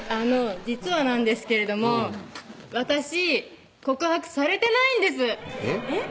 実はなんですけれども私告白されてないんですえっ？